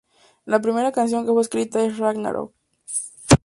La primera canción que fue escrita es Ragnarök.